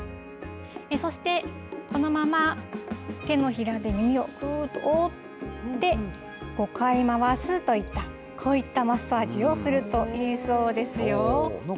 そして、このまま手のひらで耳をくーっと覆って、５回回すといった、こういったマッサージをするといいそうですよ。